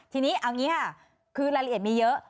ทีนี้เอาอย่างนี้ค่ะคือรายละเอียดมีเยอะ